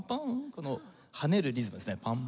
この跳ねるリズムですね「パンパパン」。